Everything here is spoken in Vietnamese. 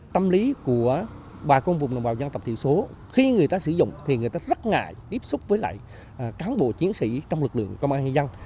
tâm lý của bà con vùng đồng bào dân tộc thiểu số khi người ta sử dụng thì người ta rất ngại tiếp xúc với lại cán bộ chiến sĩ trong lực lượng công an nhân dân